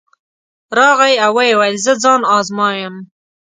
راغی او ویې ویل زه ځان ازمایم.